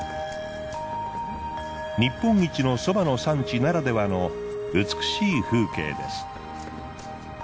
日本一のソバの産地ならではの美しい風景です。